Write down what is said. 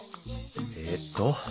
えっと